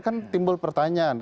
kan timbul pertanyaan